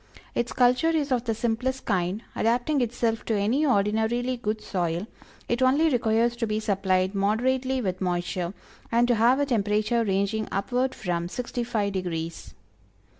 Its culture is of the simplest kind, adapting itself to any ordinarily good soil, it only requires to be supplied moderately with moisture and to have a temperature ranging upward from sixty five degrees.